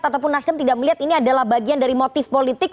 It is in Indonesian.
ataupun nasdem tidak melihat ini adalah bagian dari motif politik